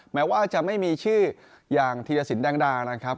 แม้ว่าจะไม่มีชื่ออย่างธีรสินแดงดานะครับ